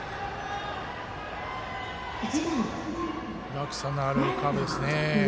落差のあるカーブですね。